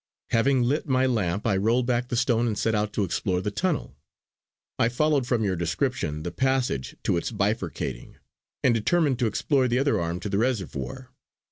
Having lit my lamp, I rolled back the stone and set out to explore the tunnel. I followed from your description, the passage to its bifurcating, and determined to explore the other arm to the reservoir.